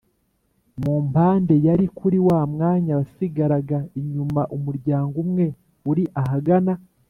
mu mpande yari kuri wa mwanya wasigaraga inyuma umuryango umwe uri ahagana